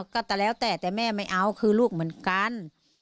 ก็แล้วแต่แล้วแต่แต่แม่ไม่เอาคือลูกเหมือนกัน